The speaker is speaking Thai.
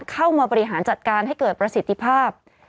เข้ามาบริหารจัดการให้เกิดประสิทธิภาพ